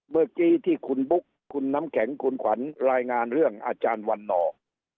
เมื่อกี้ที่คุณบุ๊คคุณน้ำแข็งคุณขวัญรายงานเรื่องอาจารย์วันนอร์